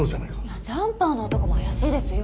いやジャンパーの男も怪しいですよ。